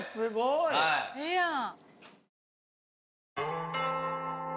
ええやん。